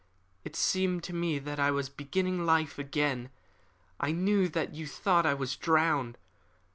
It seemed to me that I was beginning life again. I knew that you thought I was drowned.